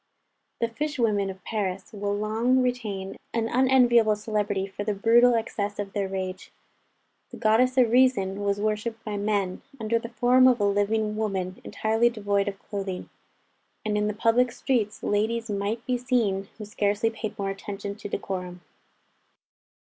The fish women of Paris will long retain an unenviable celebrity for the brutal excess of their rage. The goddess of Reason was worshipped by men, under the form of a living woman entirely devoid of clothing; and in the public streets ladies might be seen who scarcely paid more attention to decorum.